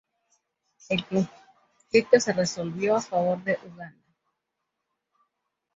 El conflicto se resolvió a favor de Uganda.